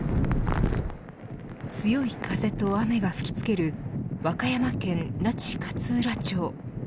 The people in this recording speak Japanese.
強い風と雨が吹き付ける和歌山県那智勝浦町。